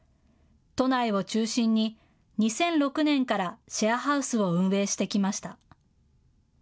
都内を中心に２００６年からシェアハウスを運営してきました。